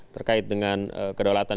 terkait dengan kedaulatan